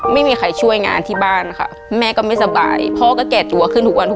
ไม่มีใครช่วยงานที่บ้านค่ะแม่ก็ไม่สบายพ่อก็แก่ตัวขึ้นทุกวัน